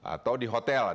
atau di hotel